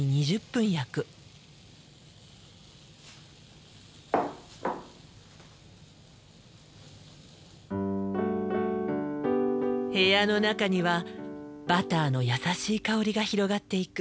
部屋の中にはバターのやさしい香りが広がっていく。